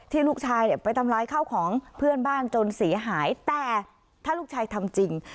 ลูกชายเนี่ยไปทำลายข้าวของเพื่อนบ้านจนเสียหายแต่ถ้าลูกชายทำจริง